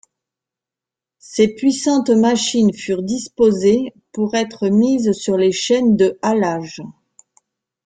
Ses puissantes machines furent disposées pour être mises sur les chaînes de halage.